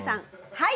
はい！